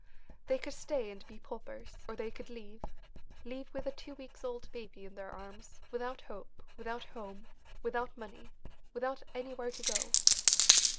They could stay and be paupers, or they could leave leave with a two weeks old baby in their arms, without hope, without home, without money, without anywhere to go.